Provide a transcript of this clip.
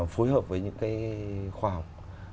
phối hợp với những cái khoa học